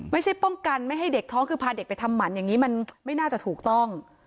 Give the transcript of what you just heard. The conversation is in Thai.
ไม่ใช่ป้องกันไม่ให้เด็กท้องคือพาเด็กไปทำหมันอย่างนี้มันไม่น่าจะถูกต้อง